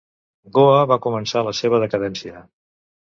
Goa va començar la seva decadència.